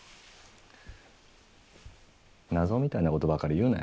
謎みたいなことばかり言うなよ。